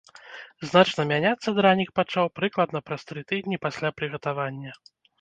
Значна мяняцца дранік пачаў прыкладна праз тры тыдні пасля прыгатавання.